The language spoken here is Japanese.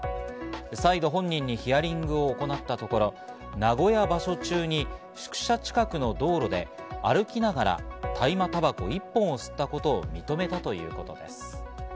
再度、本人にヒアリングを行ったところ、名古屋場所中に宿舎近くの道路で歩きながら大麻たばこ１本を吸ったことを認めたということです。